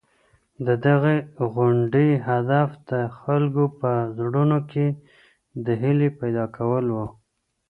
د دغي غونډې هدف د خلکو په زړونو کي د هیلې پیدا کول وو.